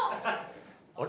あれ？